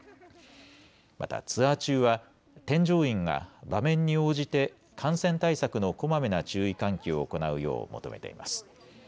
またツアー中は添乗員が場面に応じて感染対策のこまめな注意喚起を行うよう求めています。